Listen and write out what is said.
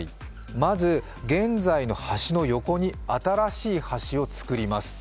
まず現在の橋の横に新しい橋をつくります